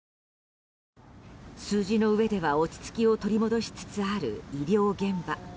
数字の上では落ち着きを取り戻しつつある医療現場。